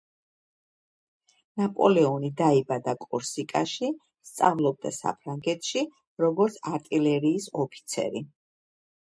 ნაპოლეინი დაიბადა კორსიკაში, სწავლობდა საფრანგეთში, როგორც არტილერიის ოფიცერი.